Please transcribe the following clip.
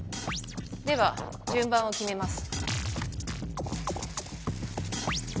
では順番を決めます。